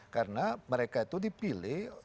karena mereka itu dipilih